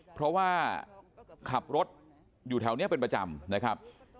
เพราะว่าขับรถอยู่แถวนี้เป็นประจำนะครับ